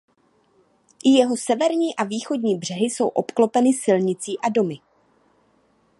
I jeho severní a východní břehy jsou obklopeny silnicí a domy.